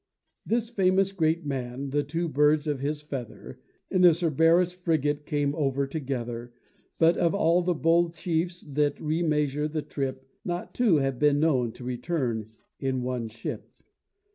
This famous great man, and two birds of his feather, In the Cerberus frigate came over together: But of all the bold chiefs that remeasure the trip, Not two have been known to return in one ship.